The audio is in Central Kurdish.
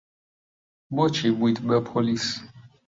بۆچی بوویت بە پۆلیس؟